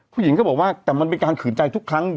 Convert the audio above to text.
ผู้หญิงก็บอกว่าแต่มันเป็นการขืนใจทุกครั้ง